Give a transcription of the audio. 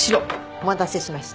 お待たせしました